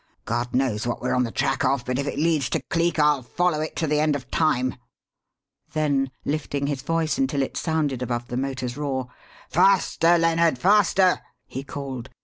God knows what we're on the track of, but if it leads to Cleek I'll follow it to the end of time!" Then, lifting his voice until it sounded above the motor's roar, "Faster, Lennard, faster!" he called.